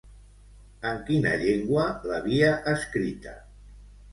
En quina llengua l'havia escrita?